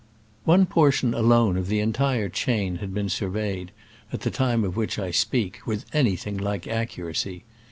One portion alone of the entire chain had been surveyed, at the time of which I speak, with anything like accuracy.